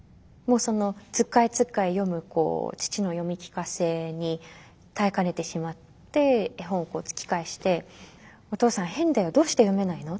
つっかえつっかえ読む父の読み聞かせに耐えかねてしまって絵本を突き返して「お父さん変だよ。どうして読めないの？」